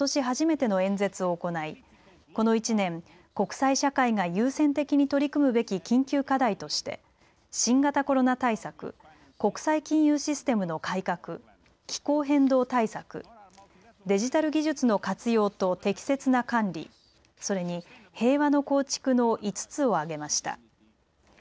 初めての演説を行い、この１年、国際社会が優先的に取り組むべき緊急課題として新型コロナ対策、国際金融システムの改革、気候変動対策、デジタル技術の活用と適切な管理、それに平和の構築の５つを挙げました。